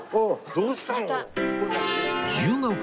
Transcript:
どうしたの？